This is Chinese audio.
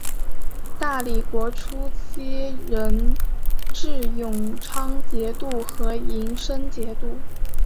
大理国初期仍置永昌节度和银生节度。